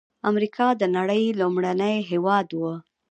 امریکا د نړۍ لومړنی هېواد و.